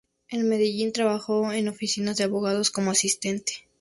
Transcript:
En Medellín trabajó en oficinas de abogados como asistente.